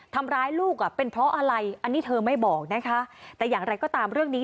ทำร้ายลูกอ่ะเป็นเพราะอะไรอันนี้เธอไม่บอกนะคะแต่อย่างไรก็ตามเรื่องนี้